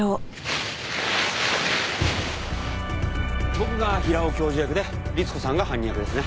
僕が平尾教授役でりつ子さんが犯人役ですね。